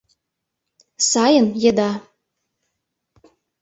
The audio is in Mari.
Сайын — еда.